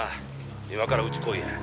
今からうち来いや」